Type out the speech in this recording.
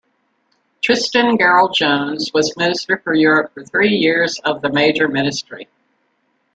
Tristan Garel-Jones was Minister for Europe for three years of the Major ministry.